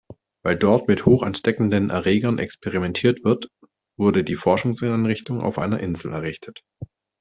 Weil dort mit hochansteckenden Erregern experimentiert wird, wurde die Forschungseinrichtung auf einer Insel errichtet.